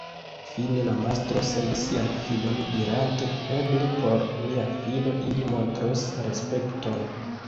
Fine la mastro sendis sian filon dirante: ‘Eble por mia filo ili montros respekton’.